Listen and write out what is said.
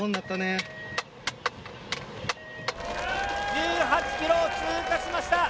１８ｋｍを通過しました。